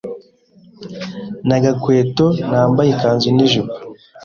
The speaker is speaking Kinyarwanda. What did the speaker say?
nta gakweto, nambaye ikanzu n’ijipo,